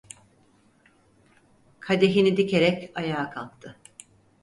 Kadehini dikerek ayağa kalktı.